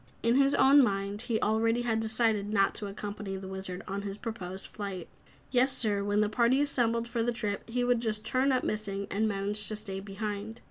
In his own mind he already had decided not to accompany the Wizard on his proposed flight. Yessir, when the party assembled for the trip he would just turn up missing and manage to stay behind.